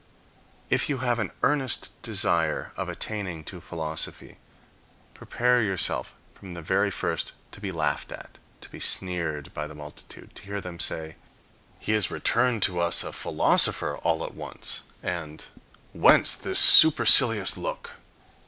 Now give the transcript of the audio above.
If you have an earnest desire of attaining to philosophy, prepare yourself from the very first to be laughed at, to be sneered by the multitude, to hear them say,." He is returned to us a philosopher all at once," and " Whence this supercilious look?"